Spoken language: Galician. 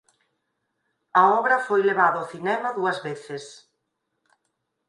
A obra foi levada ao cinema dúas veces.